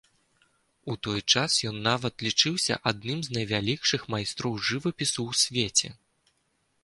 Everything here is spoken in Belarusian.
У той час ён нават лічыўся адным з найвялікшых майстроў жывапісу ў свеце.